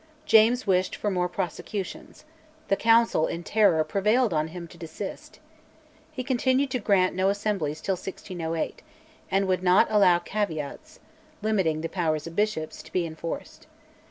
James wished for more prosecutions; the Council, in terror, prevailed on him to desist. He continued to grant no Assemblies till 1608, and would not allow "caveats" (limiting the powers of Bishops) to be enforced.